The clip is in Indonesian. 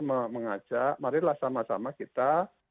mengajak marilah sama sama kita